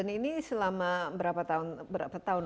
ini selama berapa tahun